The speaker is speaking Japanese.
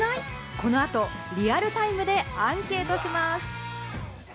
この後、リアルタイムでアンケートします！